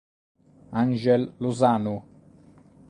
Ángel Lozano